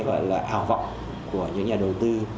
gọi là ảo vọng của những nhà đầu tư